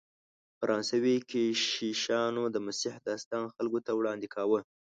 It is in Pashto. فرانسوي کشیشانو د مسیح داستان خلکو ته وړاندې کاوه.